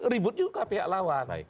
ribut juga pihak lawan